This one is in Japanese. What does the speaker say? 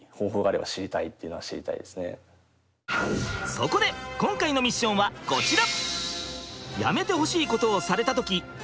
そこで今回のミッションはこちら！